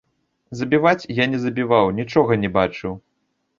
Забіваць я не забіваў, нічога не бачыў.